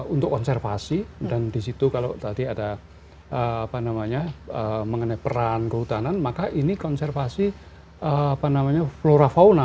untuk konservasi dan disitu kalau tadi ada apa namanya mengenai peran kehutanan maka ini konservasi flora fauna